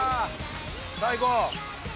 最高。